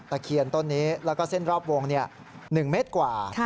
เคียนต้นนี้แล้วก็เส้นรอบวง๑เมตรกว่า